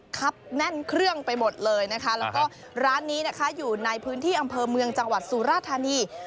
ครับแน่นเครื่องไปหมดเลยนะคะแล้วก็ร้านนี้นะคะอยู่ในพื้นที่อำเภอเมืองจังหวัดสุราธานี